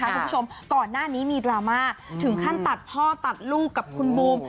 คุณผู้ชมก่อนหน้านี้มีดราม่าถึงขั้นตัดพ่อตัดลูกกับคุณบูม